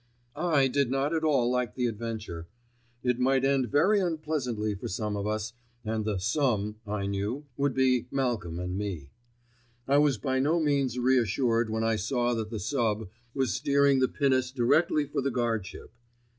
I did not at all like the adventure. It might end very unpleasantly for some of us, and the "some," I knew, would be Malcolm and me. I was by no means reassured when I saw that the sub. was steering the pinnace directly for the guardship.